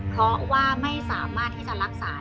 เพราะว่าไม่สามารถที่จะรับเชื้อโรคตัวนี้